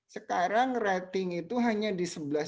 sekarang rating itu hanya di sebelas